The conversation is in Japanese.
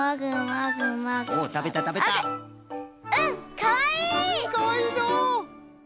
かわいいのう！